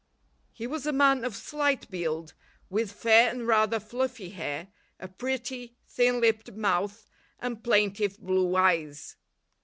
He was a man of slight build, with fair and rather fluffy hair, a pretty, thin lipped mouth, and plaintive blue eyes.